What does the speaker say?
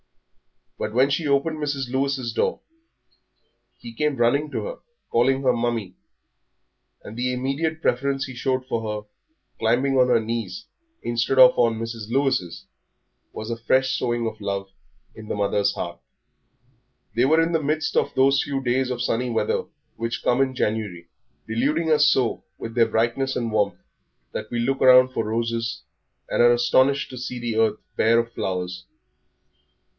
But when she opened Mrs. Lewis's door he came running to her, calling her Mummie; and the immediate preference he showed for her, climbing on her knees instead of on Mrs. Lewis's, was a fresh sowing of love in the mother's heart. They were in the midst of those few days of sunny weather which come in January, deluding us so with their brightness and warmth that we look round for roses and are astonished to see the earth bare of flowers.